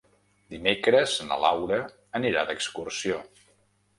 Dimecres na Laura anirà d'excursió.